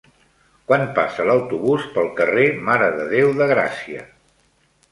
Quan passa l'autobús pel carrer Mare de Déu de Gràcia?